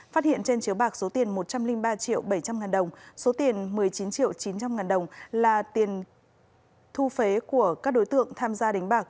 phát hiện trên chiếu bạc số tiền một trăm linh ba triệu bảy trăm linh ngàn đồng số tiền một mươi chín triệu chín trăm linh ngàn đồng là tiền thu phế của các đối tượng tham gia đánh bạc